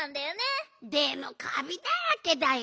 でもカビだらけだよ。